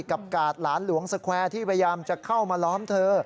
กาดหลานหลวงสแควร์ที่พยายามจะเข้ามาล้อมเธอ